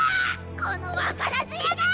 このわからず屋が！